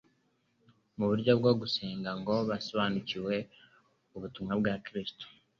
mu buryo bwo gusenga ngo basobanukirwe ubutumwa bwa Kristo.